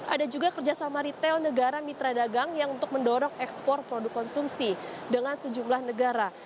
ada juga kerjasama retail negara mitra dagang yang untuk mendorong ekspor produk konsumsi dengan sejumlah negara